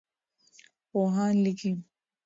پوهان لیکي.